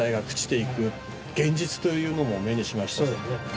というのも目にしました。